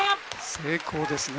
成功ですね。